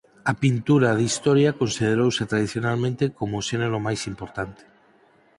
A pintura de historia considerouse tradicionalmente como o xénero máis importante.